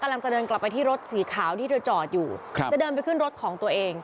กำลังจะเดินกลับไปที่รถสีขาวที่เธอจอดอยู่ครับจะเดินไปขึ้นรถของตัวเอง